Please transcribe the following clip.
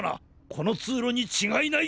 このつうろにちがいない！